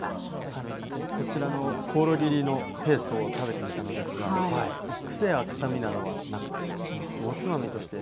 実際にこちらのこおろぎ入りのペーストを食べてみたのですが癖や臭みなどはなくておつまみとして